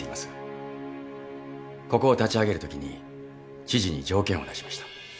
ここを立ち上げるときに知事に条件を出しました。